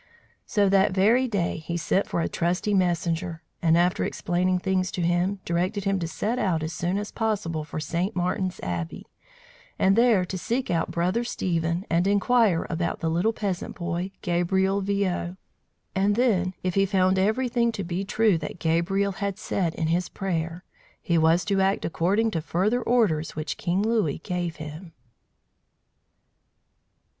So that very day he sent for a trusty messenger, and after explaining things to him, directed him to set out as soon as possible for St. Martin's Abbey, and there to seek out Brother Stephen and inquire about the little peasant boy, Gabriel Viaud. And then, if he found everything to be true that Gabriel had said in his prayer, he was to act according to further orders which King Louis gave him.